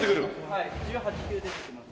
はい１８球出てきます。